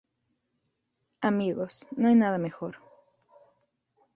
Amigos, no hay nada mejor".